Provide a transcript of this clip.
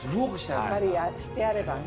やっぱりしてあればね。